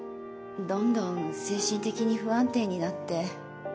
どんどん精神的に不安定になって。